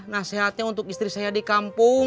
nasihatnya untuk istri saya di kampung